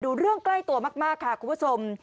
ดูเรื่องใกล้ตัวมากค่ะคุณผู้ชม